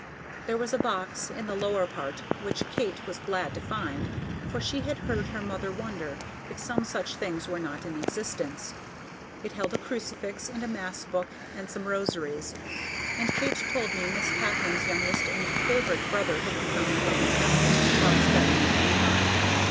There was a box in the lower part which Kate was glad to find, for she had heard her mother wonder if some such things were not in existence. It held a crucifix and a mass book and some rosaries, and Kate told me Miss Katharine's youngest and favorite brother had become a Roman Catholic while studying in Europe.